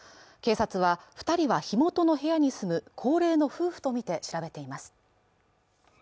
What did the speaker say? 警察は２人は火元の部屋に住む高齢の夫婦とみて調べています。